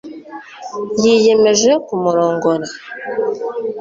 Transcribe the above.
yiyemeje kumurongora